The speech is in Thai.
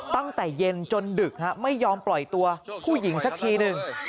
ตั้งแต่เย็นจนดึกไม่ยอมปล่อยตัวผู้หญิงสักทีหนึ่ง